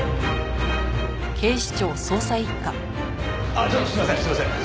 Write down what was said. あっちょっとすいませんすいません。